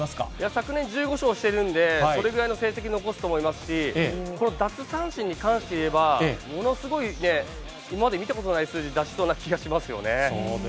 昨年１５勝してるんで、それぐらいの成績残すと思いますし、この奪三振に関して言えば、ものすごい、今まで見たことない数字出しそうな気がしますよね。